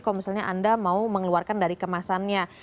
kalau misalnya anda mau mengeluarkan dari kemasannya